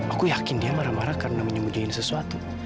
aku yakin dia marah marah karena menyemudiin sesuatu